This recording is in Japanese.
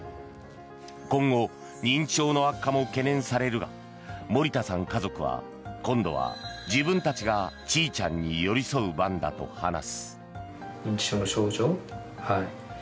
今後認知症の悪化も懸念されるが森田さん家族は今度は自分たちがちいちゃんに寄り添う番だと話す。